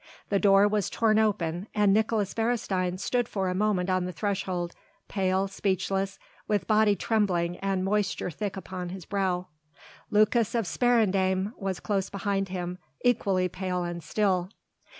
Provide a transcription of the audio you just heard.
The door was torn open, and Nicolaes Beresteyn stood for a moment on the threshold, pale, speechless, with body trembling and moisture thick upon his brow. Lucas of Sparendam was close behind him equally pale and still.